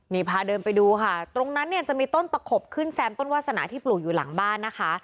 นี่พาเดินไปดูค่ะตรงนั้นเนี่ยจะมีต้นตะขบขึ้นแซมต้นวาสนาที่ปลูกอยู่หลังบ้านนะคะ